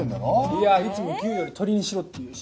いやいつも牛より鶏にしろって言うし。